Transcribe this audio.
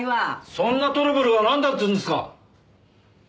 そんなトラブルがなんだっていうんですか！？